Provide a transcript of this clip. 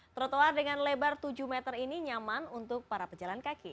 trotoar dengan lebar tujuh meter ini nyaman untuk para pejalan kaki